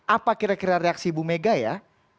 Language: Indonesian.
apa kira kira reaksi ibu mega ya